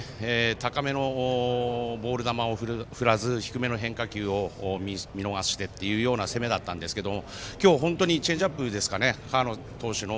高めのボール球を振らず低めの変化球を見逃してという攻めだったんですけど今日、本当にチェンジアップですか河野投手の。